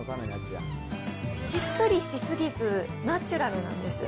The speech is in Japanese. しっとりし過ぎず、ナチュラルなんです。